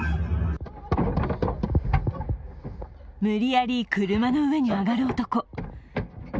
無理やり車の上に上がる男。